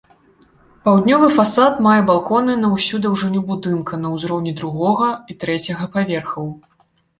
Паўднёвы фасад мае балконы на ўсю даўжыню будынка на ўзроўні другога і трэцяга паверхаў.